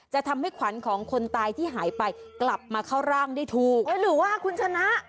จะทำให้ขวัญของคนตายที่หายไปกลับมาเข้าร่างได้ถูกหรือว่าคุณชนะ